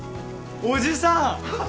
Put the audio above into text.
おじさん！